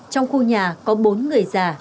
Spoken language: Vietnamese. trong khu nhà có bốn người già